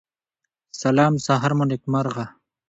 سلام سهار مو نیکمرغه